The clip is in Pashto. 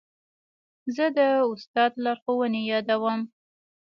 زه د استاد لارښوونې یادوم.